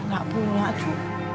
gak punya cu